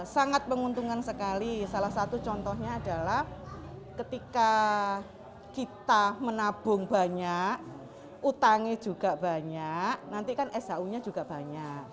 sangat menguntungkan sekali salah satu contohnya adalah ketika kita menabung banyak utangnya juga banyak nanti kan shu nya juga banyak